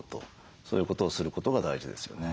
そういうことをすることが大事ですよね。